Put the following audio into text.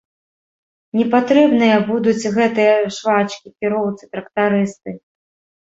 Не патрэбныя будуць гэтыя швачкі, кіроўцы, трактарысты.